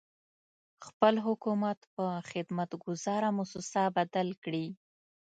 خپل حکومت په خدمت ګذاره مؤسسه بدل کړي.